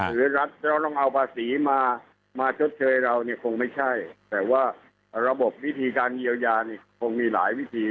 รัฐเราต้องเอาภาษีมามาชดเชยเราเนี่ยคงไม่ใช่แต่ว่าระบบวิธีการเยียวยานี่คงมีหลายวิธี